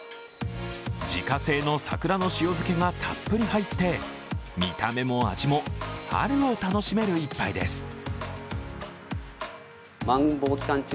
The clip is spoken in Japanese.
自家製の桜の塩漬けがたっぷり入って見た目も味も、春を楽しめる一杯です。